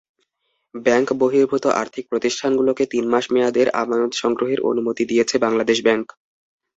Bank বহির্ভূত আর্থিক প্রতিষ্ঠানগুলোকে তিন মাস মেয়াদের আমানত সংগ্রহের অনুমতি দিয়েছে বাংলাদেশ ব্যাংক।